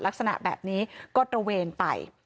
ลักษณะแบบนี้ก็ตระเวนไป